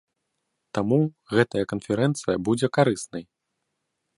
Таму гэтая канферэнцыя будзе карыснай.